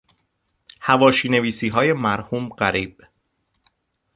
حواشی نویسیهای مرحوم قریب